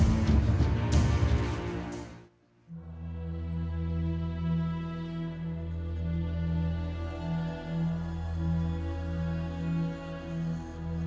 penundaan kesekian kalinya